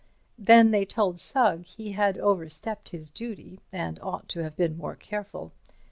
Then they told Sugg he had overstepped his duty and ought to have been more careful.